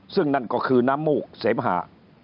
ซึ่งนั่นก็คือน้ำมูกเสมหา